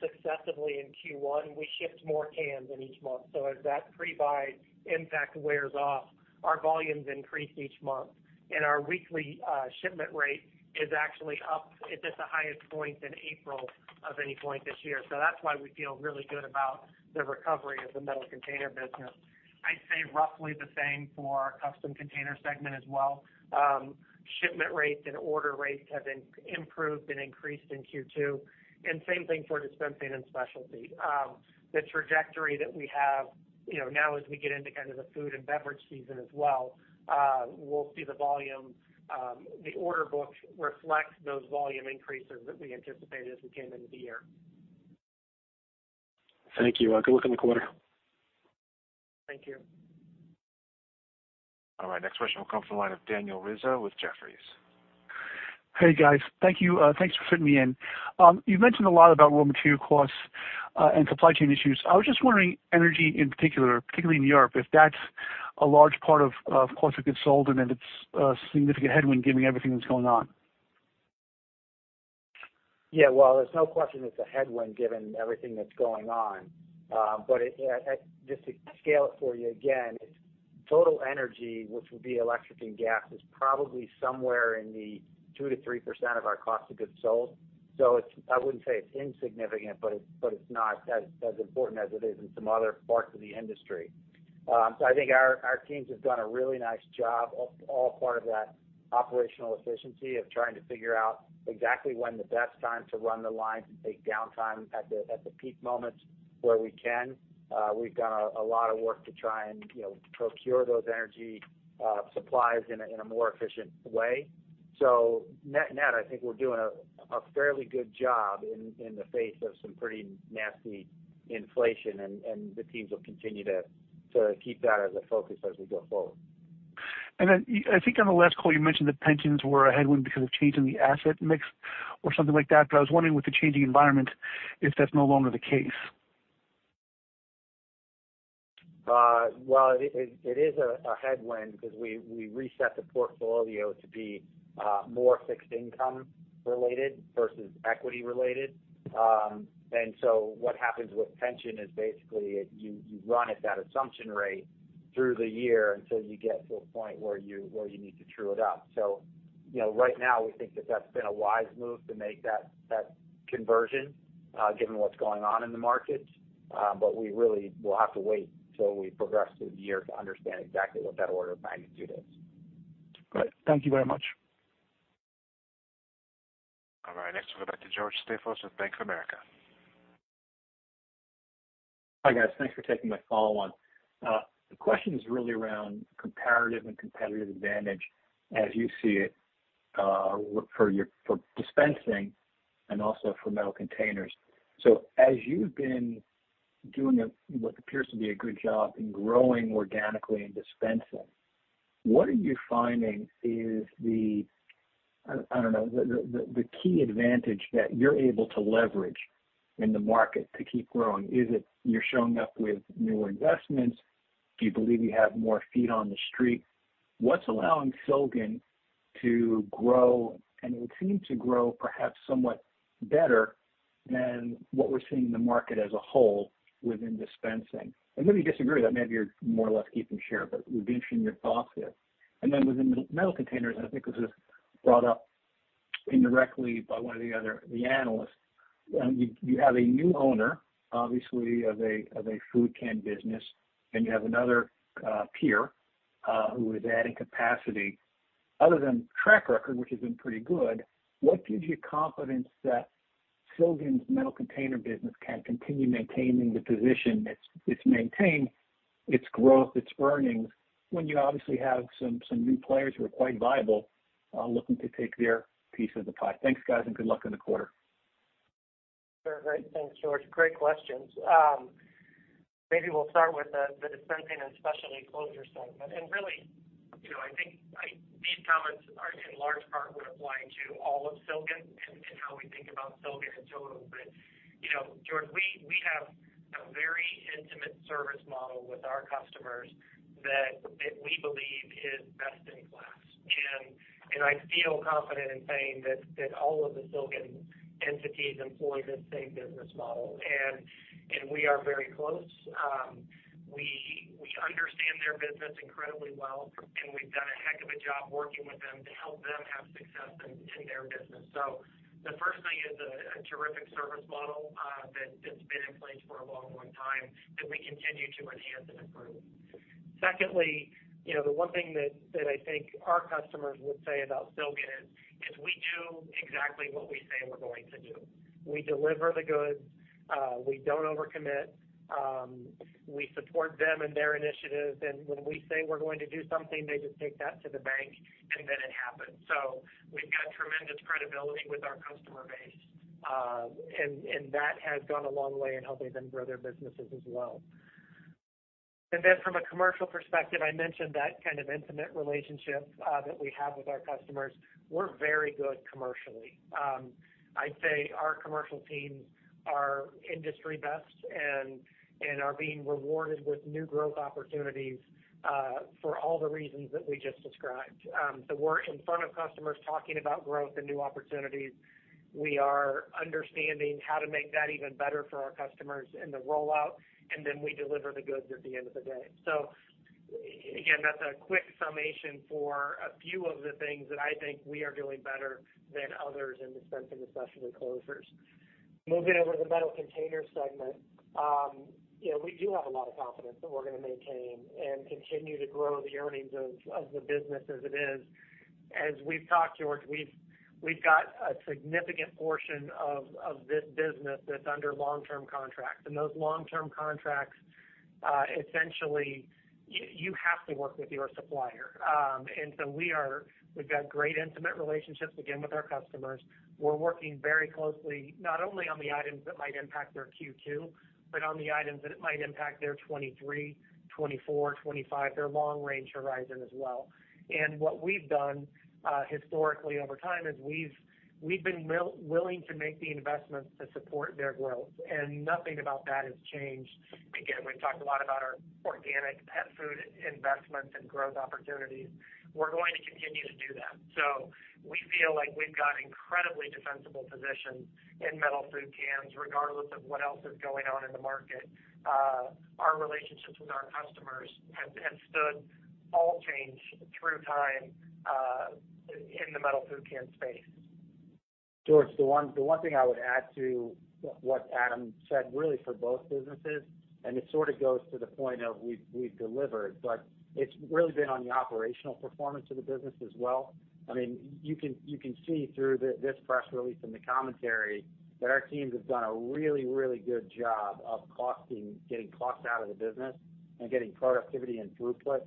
successively in Q1, we shipped more cans in each month. So as that pre-buy impact wears off, our volumes increase each month. Our weekly shipment rate is actually up. It's at the highest point in April of any point this year. That's why we feel really good about the recovery of the Metal Container business. I'd say roughly the same for our Custom Container segment as well. Shipment rates and order rates have improved and increased in Q2, and same thing for dispensing and specialty. The trajectory that we have, you know, now as we get into kind of the food and beverage season as well, we'll see the volume, the order book reflect those volume increases that we anticipated as we came into the year. Thank you. Good luck on the quarter. Thank you. All right, next question will come from the line of Daniel Rizzo with Jefferies. Hey, guys. Thank you. Thanks for fitting me in. You've mentioned a lot about raw material costs, and supply chain issues. I was just wondering, energy in particular, particularly in Europe, if that's a large part of cost of goods sold and if it's a significant headwind given everything that's going on? Yeah. Well, there's no question it's a headwind given everything that's going on. Just to scale it for you again, total energy, which would be electric and gas, is probably somewhere in the 2%-3% of our cost of goods sold. I wouldn't say it's insignificant, but it's not as important as it is in some other parts of the industry. I think our teams have done a really nice job, all part of that operational efficiency of trying to figure out exactly when the best time to run the lines and take downtime at the peak moments where we can. We've done a lot of work to try and, you know, procure those energy supplies in a more efficient way. Net-net, I think we're doing a fairly good job in the face of some pretty nasty inflation and the teams will continue to keep that as a focus as we go forward. I think on the last call you mentioned that pensions were a headwind because of change in the asset mix or something like that. I was wondering with the changing environment, if that's no longer the case. Well, it is a headwind because we reset the portfolio to be more fixed income related versus equity related. What happens with pension is basically you run at that assumption rate through the year until you get to a point where you need to true it up. You know, right now we think that that's been a wise move to make that conversion given what's going on in the markets. We really will have to wait till we progress through the year to understand exactly what that order of magnitude is. Great. Thank you very much. All right, next we go back to George Staphos with Bank of America. Hi, guys. Thanks for taking my follow-on. The question is really around comparative and competitive advantage as you see it, for dispensing and also for metal containers. As you've been doing a what appears to be a good job in growing organically in dispensing. What are you finding is the, I don't know, the key advantage that you're able to leverage in the market to keep growing? Is it you're showing up with new investments? Do you believe you have more feet on the street? What's allowing Silgan to grow, and it would seem to grow perhaps somewhat better than what we're seeing in the market as a whole within dispensing? Maybe you disagree that maybe you're more or less keeping share, but would be interested in your thoughts there. Within the metal containers, I think this was brought up indirectly by one of the other, the analysts. You have a new owner, obviously, of a food can business, and you have another peer who is adding capacity. Other than track record, which has been pretty good, what gives you confidence that Silgan's metal container business can continue maintaining the position it's maintained, its growth, its earnings, when you obviously have some new players who are quite viable looking to take their piece of the pie? Thanks, guys, and good luck in the quarter. Sure. Great. Thanks, George. Great questions. Maybe we'll start with the Dispensing and Specialty Closures segment. Really, you know, these comments are in large part would apply to all of Silgan and how we think about Silgan in total. You know, George, we have a very intimate service model with our customers that we believe is best in class. I feel confident in saying that all of the Silgan entities employ this same business model. We are very close. We understand their business incredibly well, and we've done a heck of a job working with them to help them have success in their business. The first thing is a terrific service model that's been in place for a long time that we continue to enhance and improve. Secondly, you know, the one thing that I think our customers would say about Silgan is we do exactly what we say we're going to do. We deliver the goods. We don't overcommit. We support them and their initiatives. When we say we're going to do something, they just take that to the bank, and then it happens. We've got tremendous credibility with our customer base, and that has gone a long way in helping them grow their businesses as well. From a commercial perspective, I mentioned that kind of intimate relationship that we have with our customers. We're very good commercially. I'd say our commercial teams are industry best and are being rewarded with new growth opportunities for all the reasons that we just described. We're in front of customers talking about growth and new opportunities. We are understanding how to make that even better for our customers in the rollout, and then we deliver the goods at the end of the day. Again, that's a quick summation for a few of the things that I think we are doing better than others in dispensing, especially closures. Moving over to the Metal Container segment. You know, we do have a lot of confidence that we're gonna maintain and continue to grow the earnings of the business as it is. As we've talked, George, we've got a significant portion of this business that's under long-term contracts. Those long-term contracts essentially you have to work with your supplier. We've got great intimate relationships, again, with our customers. We're working very closely, not only on the items that might impact their Q2, but on the items that it might impact their 2023, 2024, 2025, their long range horizon as well. What we've done historically over time is we've been willing to make the investments to support their growth, and nothing about that has changed. Again, we've talked a lot about our organic pet food investments and growth opportunities. We're going to continue to do that. We feel like we've got incredibly defensible positions in metal food cans, regardless of what else is going on in the market. Our relationships with our customers have withstood all change through time, in the metal food can space. George Staphos, the one thing I would add to what Adam Greenlee said, really for both businesses. It sort of goes to the point of we've delivered, but it's really been on the operational performance of the business as well. I mean, you can see through this press release and the commentary that our teams have done a really good job of costing, getting costs out of the business and getting productivity and throughput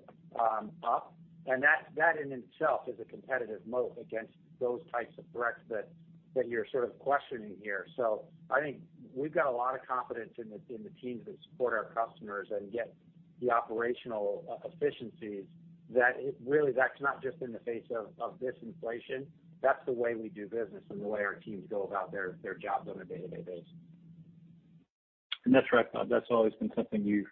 up. That in itself is a competitive moat against those types of threats that you're sort of questioning here. I think we've got a lot of confidence in the teams that support our customers and get the operational efficiencies. That's not just in the face of this inflation. That's the way we do business and the way our teams go about their jobs on a day-to-day basis. That's right, Bob. That's always been something you've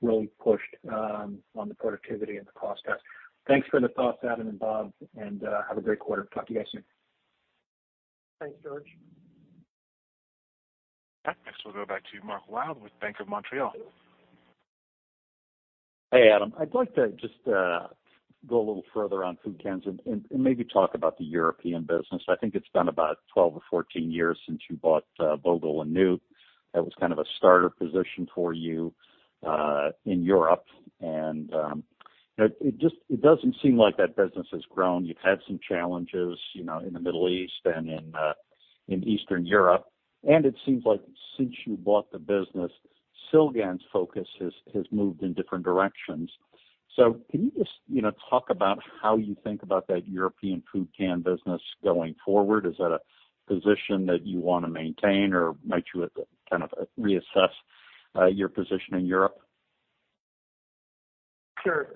really pushed on the productivity and the cost cuts. Thanks for the thoughts, Adam and Bob, and have a great quarter. Talk to you guys soon. Thanks, George. Yeah. Next, we'll go back to Mark Wilde with Bank of Montreal. Hey, Adam. I'd like to just go a little further on food cans and maybe talk about the European business. I think it's been about 12 or 14 years since you bought Vogel & Noot. That was kind of a starter position for you in Europe. It just doesn't seem like that business has grown. You've had some challenges, you know, in the Middle East and in Eastern Europe. It seems like since you bought the business, Silgan's focus has moved in different directions. Can you just, you know, talk about how you think about that European food can business going forward? Is that a position that you wanna maintain or might you kind of reassess your position in Europe? Sure.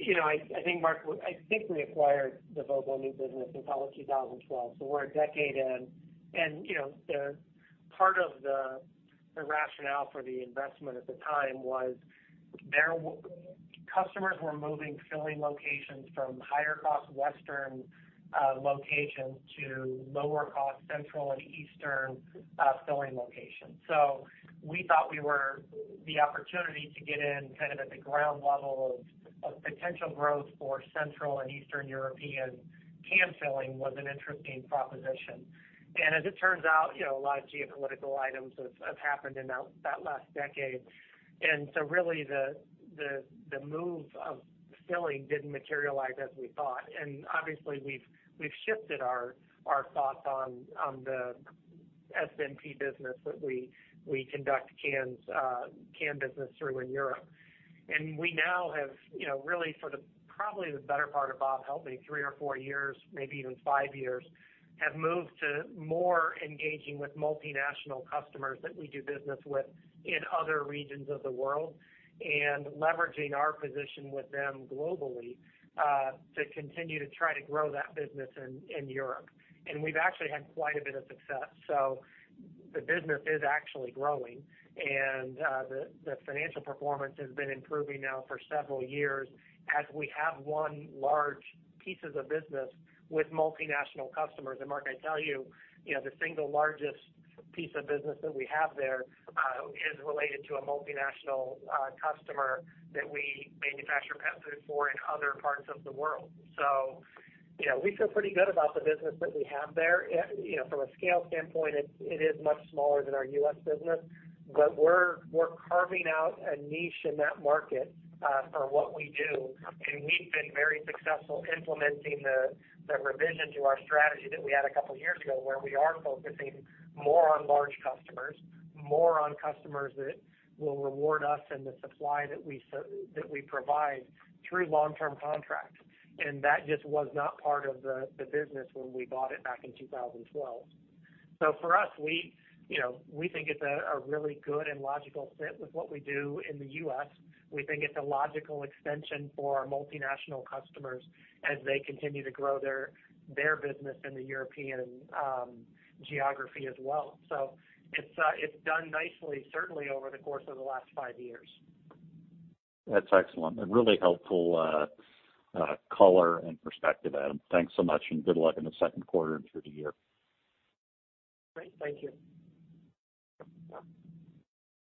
You know, I think, Mark, we acquired the Vogel & Noot business in probably 2012, so we're a decade in. You know, the rationale for the investment at the time was their customers were moving filling locations from higher cost Western locations to lower cost Central and Eastern filling locations. We thought we saw the opportunity to get in kind of at the ground level of potential growth for Central and Eastern European can filling was an interesting proposition. As it turns out, you know, a lot of geopolitical items have happened in that last decade. Really, the move of filling didn't materialize as we thought. Obviously we've shifted our thoughts on the SMP business that we conduct can business through in Europe. We now have really for probably the better part of, Bob help me, three or four years, maybe even five years, have moved to more engaging with multinational customers that we do business with in other regions of the world, and leveraging our position with them globally to continue to try to grow that business in Europe. We've actually had quite a bit of success. The business is actually growing and the financial performance has been improving now for several years as we have won large pieces of business with multinational customers. Mark, I tell you know, the single largest piece of business that we have there is related to a multinational customer that we manufacture pet food for in other parts of the world. You know, we feel pretty good about the business that we have there. You know, from a scale standpoint, it is much smaller than our U.S. business, but we're carving out a niche in that market for what we do. We've been very successful implementing the revision to our strategy that we had a couple years ago where we are focusing more on large customers, more on customers that will reward us and the supply that we provide through long-term contracts. That just was not part of the business when we bought it back in 2012. For us, we, you know, we think it's a really good and logical fit with what we do in the U.S. We think it's a logical extension for our multinational customers as they continue to grow their business in the European geography as well. It's done nicely certainly over the course of the last five years. That's excellent and really helpful, color and perspective, Adam. Thanks so much and good luck in the second quarter and through the year. Great. Thank you.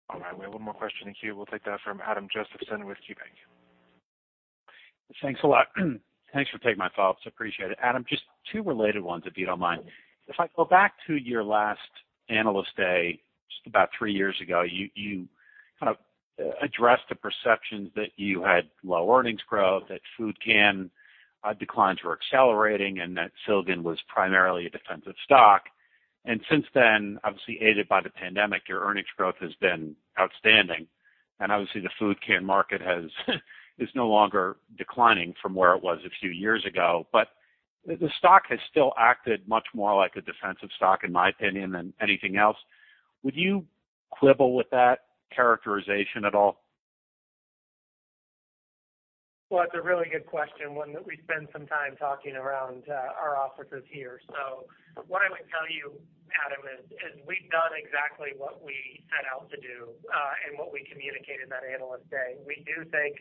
All right. We have one more question in queue. We'll take that from Adam Josephson with KeyBanc. Thanks a lot. Thanks for taking my calls. Appreciate it. Adam, just two related ones, if you don't mind. If I go back to your last Analyst Day, just about three years ago, you kind of addressed the perceptions that you had low earnings growth, that food can declines were accelerating, and that Silgan was primarily a defensive stock. Since then, obviously aided by the pandemic, your earnings growth has been outstanding. Obviously the food can market is no longer declining from where it was a few years ago. The stock has still acted much more like a defensive stock, in my opinion, than anything else. Would you quibble with that characterization at all? Well, it's a really good question, one that we spend some time talking around our offices here. What I would tell you, Adam, is we've done exactly what we set out to do and what we communicated that Analyst Day. We do think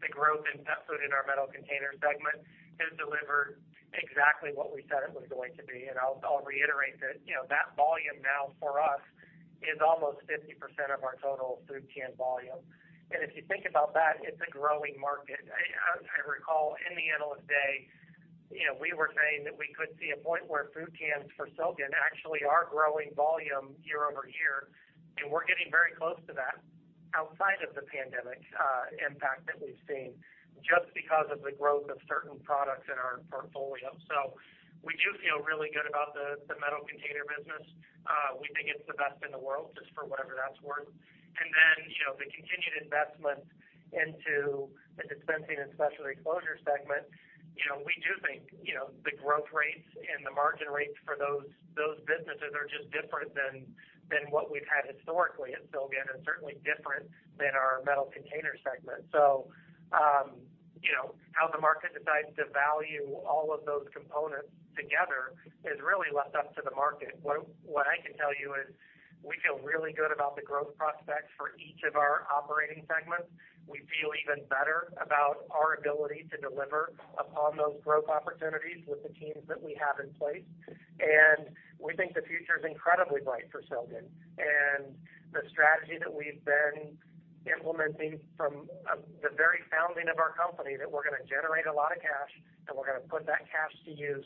the growth in pet food in our Metal Container segment has delivered exactly what we said it was going to be, and I'll reiterate that, you know, that volume now for us is almost 50% of our total food can volume. If you think about that, it's a growing market. I recall in the Analyst Day, you know, we were saying that we could see a point where food cans for Silgan actually are growing volume year-over-year, and we're getting very close to that outside of the pandemic impact that we've seen just because of the growth of certain products in our portfolio. We do feel really good about the Metal Container business. We think it's the best in the world, just for whatever that's worth. Then, you know, the continued investment into the Dispensing and Specialty Closures segment, you know, we do think, you know, the growth rates and the margin rates for those businesses are just different than what we've had historically at Silgan, and certainly different than our Metal Container segment. You know, how the market decides to value all of those components together is really left up to the market. What I can tell you is we feel really good about the growth prospects for each of our operating segments. We feel even better about our ability to deliver upon those growth opportunities with the teams that we have in place. We think the future's incredibly bright for Silgan. The strategy that we've been implementing from the very founding of our company, that we're gonna generate a lot of cash, and we're gonna put that cash to use.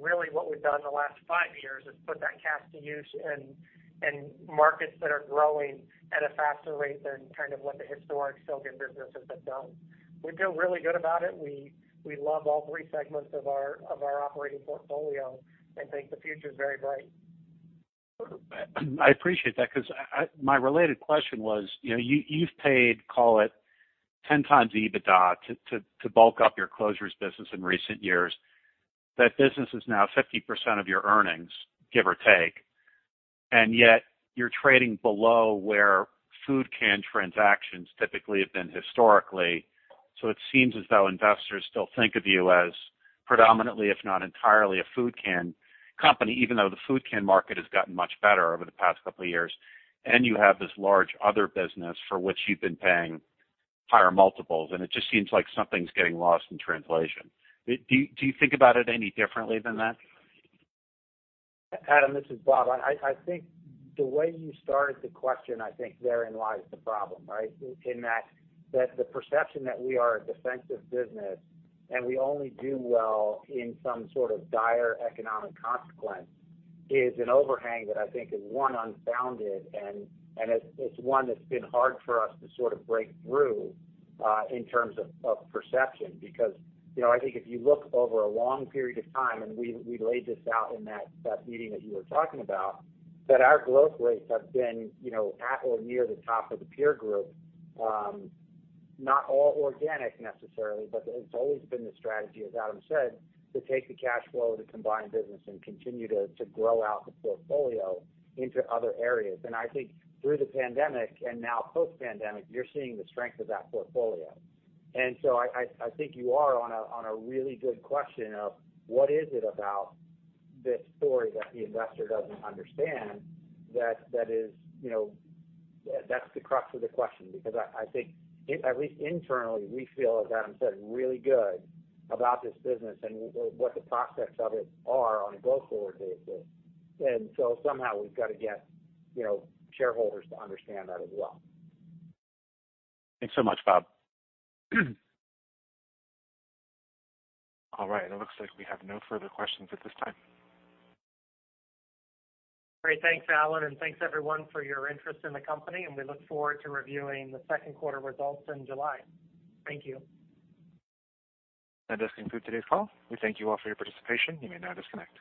Really what we've done in the last five years is put that cash to use in markets that are growing at a faster rate than kind of what the historic Silgan businesses have done. We feel really good about it. We love all three segments of our operating portfolio and think the future's very bright. I appreciate that, 'cause my related question was, you know, you've paid, call it 10x EBITDA to bulk up your closures business in recent years. That business is now 50% of your earnings, give or take, and yet you're trading below where food can transactions typically have been historically. It seems as though investors still think of you as predominantly, if not entirely, a food can company, even though the food can market has gotten much better over the past couple of years, and you have this large other business for which you've been paying higher multiples, and it just seems like something's getting lost in translation. Do you think about it any differently than that? Adam, this is Bob. I think the way you started the question, I think therein lies the problem, right? In that the perception that we are a defensive business and we only do well in some sort of dire economic consequence is an overhang that I think is one, unfounded and it's one that's been hard for us to sort of break through in terms of perception. Because, you know, I think if you look over a long period of time, and we laid this out in that meeting that you were talking about, that our growth rates have been, you know, at or near the top of the peer group. Not all organic necessarily, but it's always been the strategy, as Adam said, to take the cash flow of the combined business and continue to grow out the portfolio into other areas. I think through the pandemic and now post-pandemic, you're seeing the strength of that portfolio. I think you are on a really good question of what is it about this story that the investor doesn't understand that that is, you know. That's the crux of the question, because I think at least internally, we feel, as Adam said, really good about this business and what the prospects of it are on a go forward basis. Somehow we've got to get, you know, shareholders to understand that as well. Thanks so much, Bob. All right, it looks like we have no further questions at this time. Great. Thanks, Alan, and thanks everyone for your interest in the company, and we look forward to reviewing the second quarter results in July. Thank you. That does conclude today's call. We thank you all for your participation. You may now disconnect.